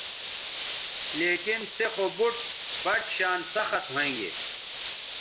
لیکن سے خو بُٹ بَٹ شان سخت ھوینگے